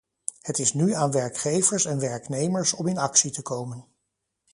Het is nu aan werkgevers en werknemers om in actie te komen.